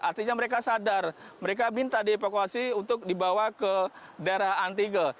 artinya mereka sadar mereka minta dievakuasi untuk dibawa ke daerah antigel